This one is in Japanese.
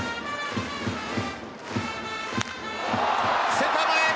センター前。